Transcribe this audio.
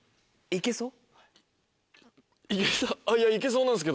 行けそう。